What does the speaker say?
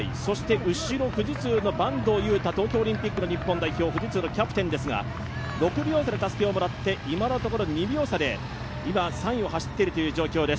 後ろ、富士通の坂東悠汰、東京オリンピックの日本代表富士通のキャプテンですが、６秒差でたすきをもらって今のところ２秒差で、３位を走っている状況です。